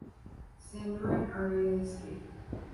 Sandor and Arya escape.